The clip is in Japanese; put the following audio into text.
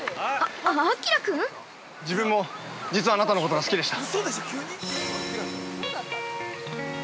◆自分も、実はあなたのことが好きでした。